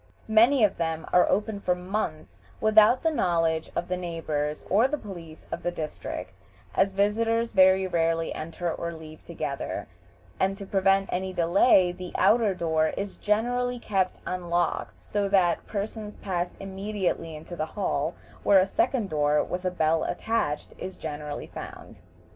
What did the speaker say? Many of them are open for months without the knowledge of the neighbors or of the police of the district, as visitors very rarely enter or leave together, and to prevent any delay the outer door is generally kept unlocked, so that persons pass immediately into the hall, where a second door, with a bell attached, is generally found.